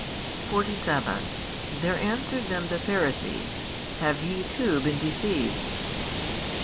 47 There answered them the Pharisees, Have YE too been deceived?